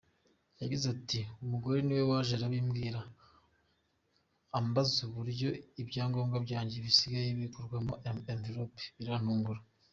Yagize ati “Umugore niwe waje arabimbwira ambaza uburyo ibyangombwa byanjye bisigaye bikorwamo enveloppe birantungura.